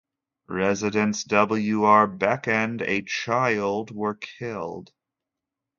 Residents W. R. Beck and a child were killed.